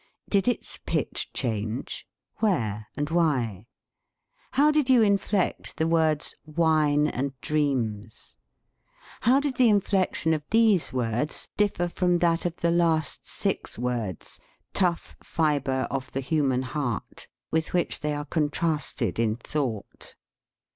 Did its pitch change ? Where and why ? How did you in flect the words "wine and dreams"? How did the inflection of these words differ from that of the last six words, "tough fibre of the human heart," with which they are con trasted in thought?